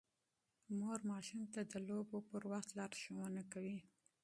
مور ماشوم ته د لوبو پر مهال لارښوونه کوي.